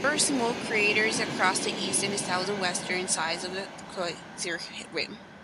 There are small craters across the east and southwestern sides of the circular rim.